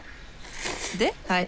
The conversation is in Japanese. ではい。